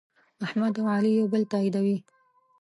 احمد او علي یو بل تأییدوي.